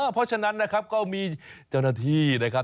เพราะฉะนั้นนะครับก็มีเจ้าหน้าที่นะครับ